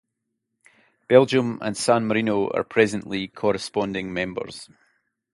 Belgium and San Marino are presently Corresponding Members.